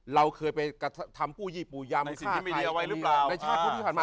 เราเคยไปทำผู้ยี่ปูยำในชาติพูดที่ผ่านมา